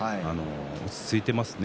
落ち着いてますね。